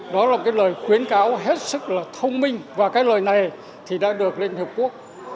đó là lời khuyến cáo hết sức thông minh và lời này đã được liên hiệp quốc